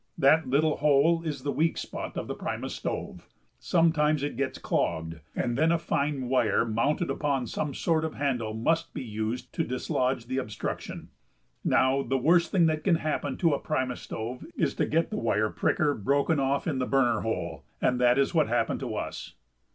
That little hole is the weak spot of the primus stove. Sometimes it gets clogged, and then a fine wire mounted upon some sort of handle must be used to dislodge the obstruction. Now, the worst thing that can happen to a primus stove is to get the wire pricker broken off in the burner hole, and that is what happened to us.